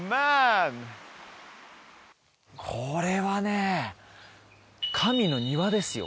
これはね神の庭ですよ